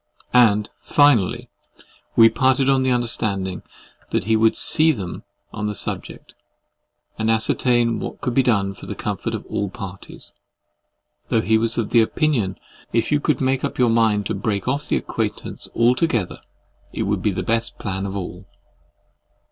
And, finally, we parted on the understanding that he would see them on the subject, and ascertain what could be done for the comfort of all parties: though he was of opinion that if you could make up your mind to break off the acquaintance altogether, it would be the best plan of all.